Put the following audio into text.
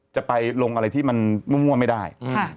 จะไปลงอะไรที่มันมั่วไม่ได้